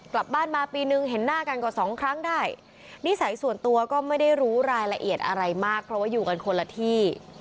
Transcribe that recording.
กลับบ้านมาปีนึงเห็นหน้ากันกว่าสองครั้งได้นิสัยส่วนตัวก็ไม่ได้รู้รายละเอียดอะไรมากเพราะว่าอยู่กันคนละที่